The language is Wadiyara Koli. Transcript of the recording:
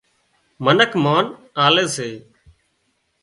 منک مانَ آلي سي